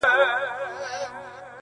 • په ارمان یې د نارنج او د انار یم -